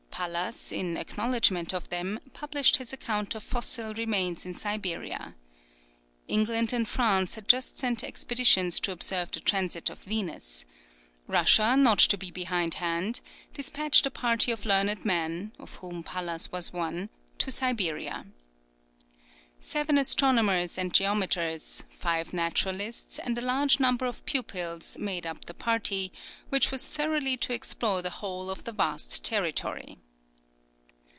Pallas, in acknowledgment of them, published his account of fossil remains in Siberia. England and France had just sent expeditions to observe the transit of Venus. Russia, not to be behindhand, despatched a party of learned men, of whom Pallas was one, to Siberia. Seven astronomers and geometers, five naturalists, and a large number of pupils, made up the party, which was thoroughly to explore the whole of the vast territory.